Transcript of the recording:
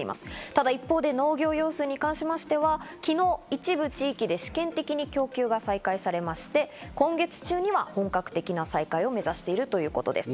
ただ一方で農業用水に関しましては、昨日、一部地域で試験的に供給が再開されまして、今月中には本格的な再開を目指しているということです。